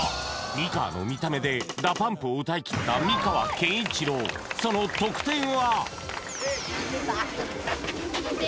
美川の見た目でＤＡＰＵＭＰを歌いきった魅川憲一郎その得点は？